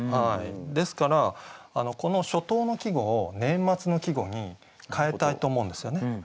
ですからこの初冬の季語を年末の季語に変えたいと思うんですよね。